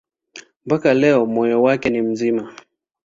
Mpaka leo moyo wake ni mzima.